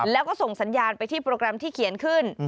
แล้วก็ส่งสัญญาณไปที่โปรแกรมที่เขียนขึ้น